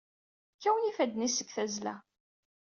Kkawen yifadden-is seg tazzla.